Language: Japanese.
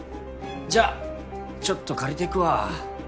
じゃあちょっと借りていくわ。